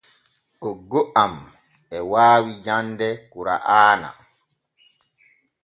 Oggo am e waawi jande kura’aana.